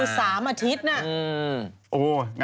สามอาทิตย์นะ